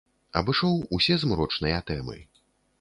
Абышоў усе змрочныя тэмы.